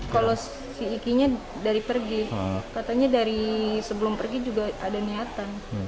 kalau si iki nya dari pergi katanya dari sebelum pergi juga ada niatan